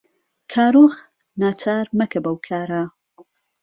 کارۆخ ناچار مەکە بەو کارە.